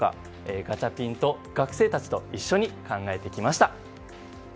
ガチャピンと学生たちと一緒に考えてきました。